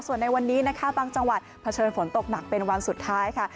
ส่วนในวันนี้นะคะบางจังหวัดเผชิญฝนตกหนักเป็นวันสุดท้ายค่ะ